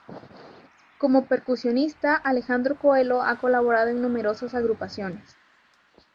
Como Percusionista, Alejandro Coello ha colaborado en numerosas agrupaciones.